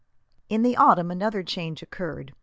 In the autumn another change occurred.